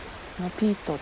ピート。